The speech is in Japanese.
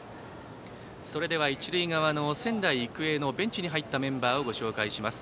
それでは一塁側、仙台育英のベンチに入ったメンバーです。